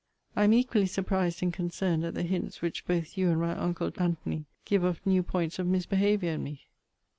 I am equally surprised and concerned at the hints which both you and my uncle Antony give of new points of misbehaviour in me!